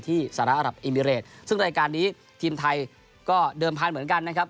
สหรัฐอรับอิมิเรตซึ่งรายการนี้ทีมไทยก็เดิมพันธุ์เหมือนกันนะครับ